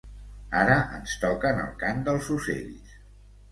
Ara ens toquen el cant dels ocells.